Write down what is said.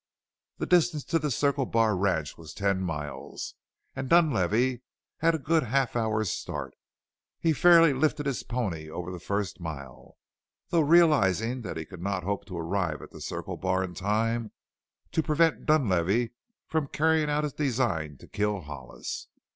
The distance to the Circle Bar ranch was ten miles and Dunlavey had a good half hour's start! He fairly lifted his pony over the first mile, though realizing that he could not hope to arrive at the Circle Bar in time to prevent Dunlavey from carrying out his design to kill Hollis.